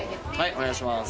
お願いします。